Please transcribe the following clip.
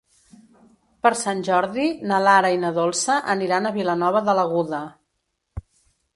Per Sant Jordi na Lara i na Dolça aniran a Vilanova de l'Aguda.